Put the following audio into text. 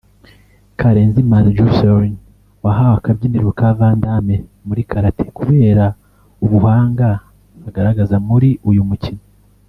Karenzi Manzi Joslyn wahawe akabyiniriro ka Vandamme muri Karate kubera ubuhanga agaragaza muri uyu mukino